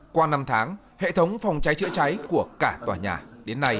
qua năm tháng hệ thống phòng cháy chữa cháy của cả tòa nhà đến nay